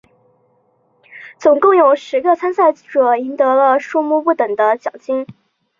总共有十个参赛者赢得了数目不等的奖金。